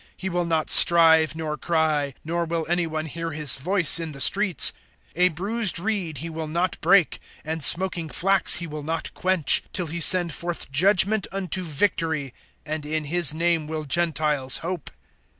(19)He will not strive, nor cry; Nor will any one hear his voice in the streets. (20)A bruised reed he will not break, And smoking flax he will not quench, Till he send forth judgment unto victory. (21)And in his name will Gentiles hope.